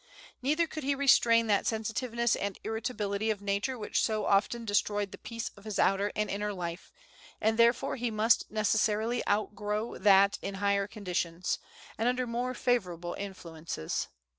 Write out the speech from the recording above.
Neither could he restrain that sensitiveness and irritability of nature which so often destroyed the peace of his outer and inner life, and therefore he must necessarily outgrow that in higher conditions, and under more favorable influences.